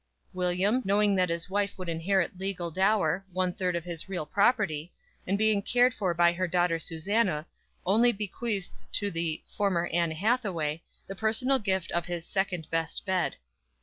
William, knowing that his wife would inherit legal dower, one third of his real property, and being cared for by her daughter Susannah, only bequeathed to the "former Anne Hathaway," the personal gift of his "second best bed."